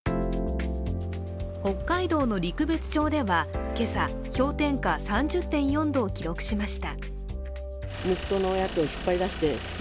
北海道の陸別町では今朝、氷点下３０．４度を記録しました。